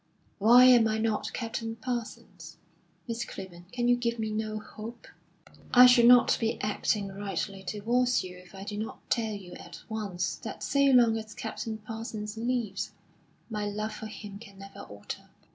Why am I not Captain Parsons? Miss Clibborn, can you give me no hope?" "I should not be acting rightly towards you if I did not tell you at once that so long as Captain Parsons lives, my love for him can never alter."